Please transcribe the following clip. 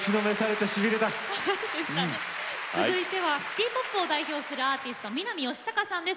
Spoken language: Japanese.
続いてはシティーポップを代表するアーティスト、南佳孝さんです。